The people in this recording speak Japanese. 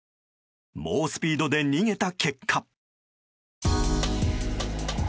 猛スピードで逃げた結果。